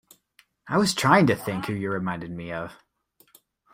I was trying to think who you reminded me of.